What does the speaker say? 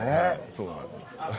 そうなんです。